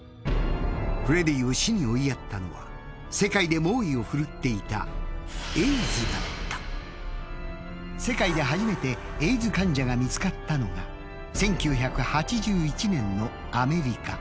フレディを死に追いやったのは世界で猛威を振るっていた世界で初めてエイズ患者が見つかったのが１９８１年のアメリカ。